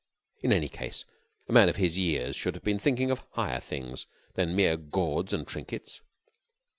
In any case, a man of his years should have been thinking of higher things than mere gauds and trinkets.